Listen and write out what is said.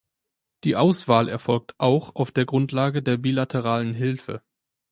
Die Auswahl erfolgt auch auf der Grundlage der bilateralen Hilfe.